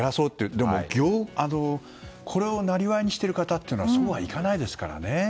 でも、これを生業にしている方というのはそうはいかないですからね。